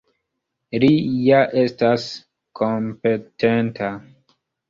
Li ja estas kompetenta!